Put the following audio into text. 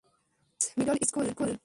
Holmes middle school?